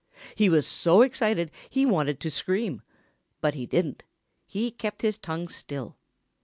He was so excited he wanted to scream. But he didn't. He kept his tongue still.